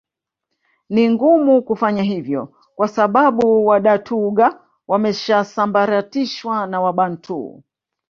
Ni ngumu kufanya hivyo kwa sababu Wadatooga wameshasambaratishwa na Wabantu